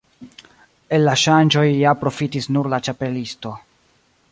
El la ŝanĝoj ja profitis nur la Ĉapelisto.